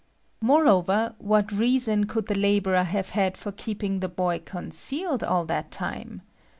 Moreover, what reason could the labourer have had for keeping the boy concealed all that time?